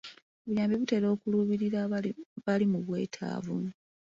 Obuyambi butera kuluubirira bali mu bwetaavu.